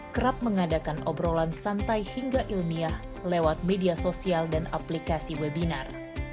kerap mengadakan obrolan santai hingga ilmiah lewat media sosial dan aplikasi webinar